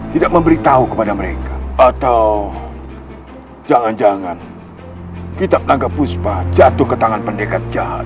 tidak memberitahu kepada mereka atau jangan jangan kitab anggap puspa jatuh ke tangan pendekat jahat